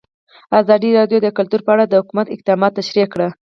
ازادي راډیو د کلتور په اړه د حکومت اقدامات تشریح کړي.